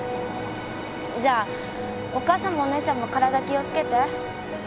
じゃあお母さんもお姉ちゃんも体気を付けて。